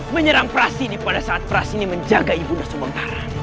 menyerang prasini pada saat prasini menjaga ibu ndako subanglar